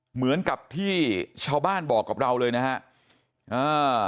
เหมือนกับที่ชาวบ้านบอกกับเราเลยนะฮะอ่า